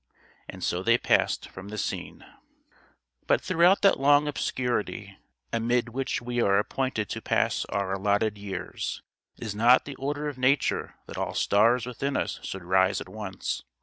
And so they passed from the scene. But throughout that long obscurity amid which we are appointed to pass our allotted years, it is not the order of nature that all stars within us should rise at once.